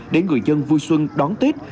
để người dân vui xuân đón tết